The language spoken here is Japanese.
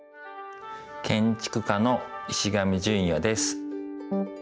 建築家の石上純也です。